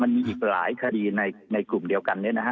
อีกหลายคดีในกลุ่มเดียวกันเนี่ยนะฮะ